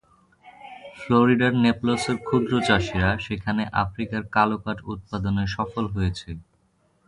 ফ্লোরিডার নেপলসের ক্ষুদ্র চাষীরা সেখানে আফ্রিকার কালো কাঠ উৎপাদনে সফল হয়েছে।